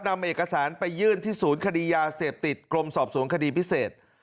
นำเอกสารไปยื่นที่ศูนย์คดียาเสพติดกรมสอบสวนคดีพิเศษ